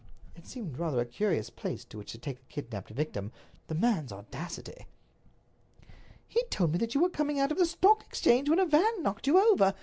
It seemed rather a curious place to which to take a kidnaped victim. The man's audacity! "He told me that you were coming out of the Stock Exchange when a van knocked you over.